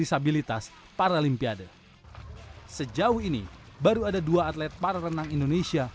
sejauh ini baru ada dua atlet para renang indonesia